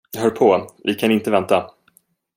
Hör på, vi kan inte vänta.